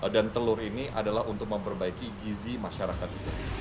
dan telur ini adalah untuk memperbaiki gizi masyarakat